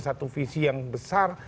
satu visi yang besar